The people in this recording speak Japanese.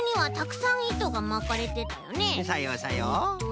さようさよう。